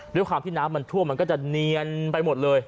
ด้วยความที่น้ำมันท่วมมันก็จะเนียนไปหมดเลย